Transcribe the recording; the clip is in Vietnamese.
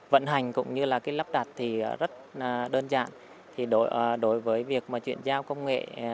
vận hành cũng như lắp đặt thì rất đơn giản